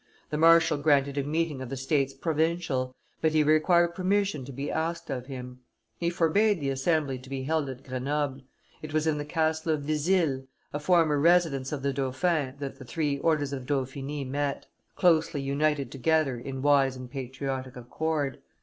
The marshal granted a meeting of the states provincial, but he required permission to be asked of him. He forbade the assembly to be held at Grenoble. It was in the Castle of Vizille, a former residence of the dauphins, that the three orders of Dauphiny met, closely united together in wise and patriotic accord.